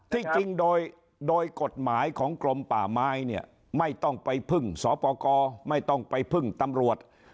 ที่จริงโดยโดยกฎหมายของกรมป่าไม้เนี่ยไม่ต้องไปพึ่งสปกรไม่ต้องไปพึ่งตำรวจ